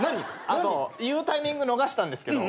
あと言うタイミング逃したんですけど